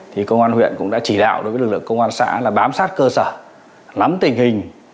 thì công an huyện cũng đã chỉ đạo đối với lực lượng công an xã là bám sát cơ sở nắm tình hình